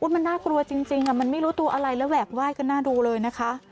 มันน่ากลัวจริงมันไม่รู้ตัวอะไรแล้วแหวกไห้กันหน้าดูเลยนะคะ